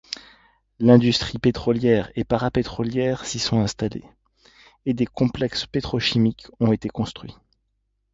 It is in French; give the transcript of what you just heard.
L’industrie pétrolière et parapétrolière s’y sont installées et des complexes pétrochimiques ont été construits.